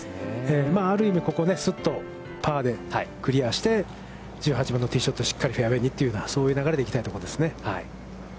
ある意味、すっとパーでクリアして、１８番のティーショットをしっかりフェアウェイにという、そういう流れでいきたいところですね。